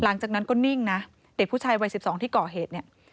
หลังจากนั้นก็นิ่งนะเด็กผู้ชายวัย๑๒ที่ก่อเหตุเนี่ย